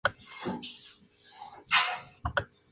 Su ropa de mujer es atrevida dentro de una cuidada factura.